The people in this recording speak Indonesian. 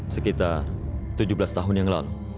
sekitar tujuh belas tahun yang lalu